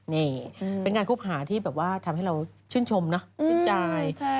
นี่เป็นงานคบหาที่แบบว่าทำให้เราชื่นชมนะชื่นใจ